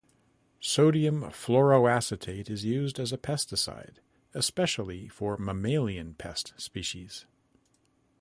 Sodium fluoroacetate is used as a pesticide, especially for mammalian pest species.